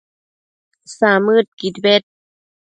samëdquid bed